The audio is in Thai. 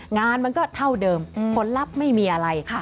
งานมันก็เท่าเดิมผลลัพธ์ไม่มีอะไร